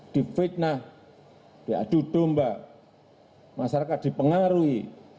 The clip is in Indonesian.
difitnah diadu domba masyarakat dipengaruhi